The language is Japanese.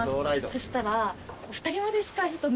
そしたら。